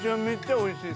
おいしい？